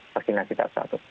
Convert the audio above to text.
vaksinasi tahap satu